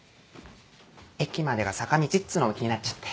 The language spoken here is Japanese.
駅までが坂道っつうのが気になっちゃって。